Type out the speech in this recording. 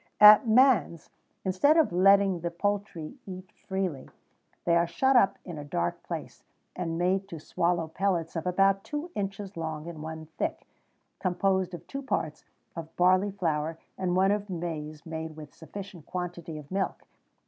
[XVII 80] At Mans, instead of letting the poultry eat freely, they are shut up in a dark place, and made to swallow pellets of about two inches long and one thick, composed of two parts of barley flour, and one of maize, made with sufficient quantity of milk.